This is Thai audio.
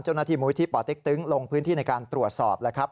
เจ้าหน้าที่มธิป่าติ๊กตึ้งลงพื้นที่ในการตรวจสอบครับ